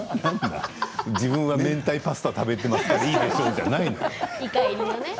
自分はめんたいパスタを食べているからいいでしょうじゃないのよ。